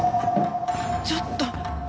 ちょっと！